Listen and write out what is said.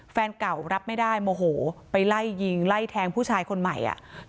แฟนเก่ารับไม่ได้โมโหไปไล่ยิงไล่แทงผู้ชายคนใหม่อ่ะ